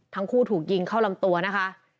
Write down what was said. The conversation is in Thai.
ทั้งคู่ถูกยิงเข้าลำตัวนะคะ